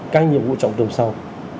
các nhiệm vụ trọng đồng sau